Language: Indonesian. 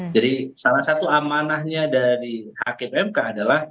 jadi salah satu amanahnya dari hakim mk adalah